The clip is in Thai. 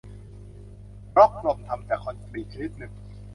บล็อกลมทำจากคอนกรีตชนิดหนึ่ง